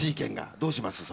どうします？